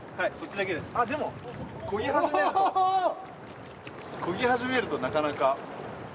でも、こぎ始めるとなかなか。